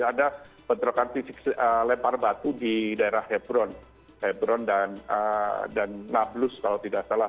ada bentrokan fisik lempar batu di daerah hebron hebron dan nablus kalau tidak salah